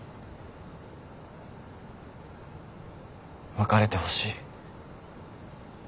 別れてほしい。